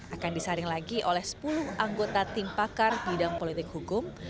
akan disaring lagi oleh sepuluh anggota tim pakar bidang politik hukum